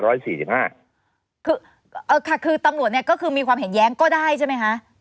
คือค่ะคือตำรวจเนี่ยก็คือมีความเห็นแย้งก็ได้ใช่ไหมคะ